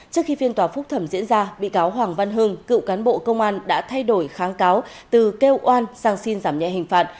trước khi phiên tòa phúc thẩm diễn ra bị cáo hoàng văn hưng cựu cán bộ công an đã thay đổi kháng cáo từ kêu oan sang xin giảm nhẹ hình phạt